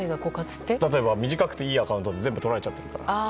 例えば短くていいアカウントって全部とられちゃったとか。